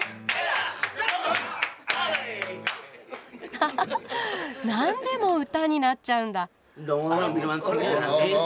ハハハッ何でも歌になっちゃうんだ。